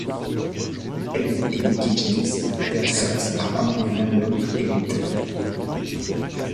Elle et Mickie James perdent face à Angelina Love et Winter.